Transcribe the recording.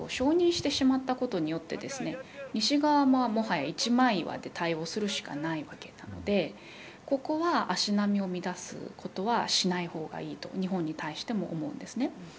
実際に、共和国２つを承認してしまったことによって西側は、もはや一枚岩で対応するしかないわけなのでここは足並みを乱すことはしない方がいいと日本に対しても思うんですね。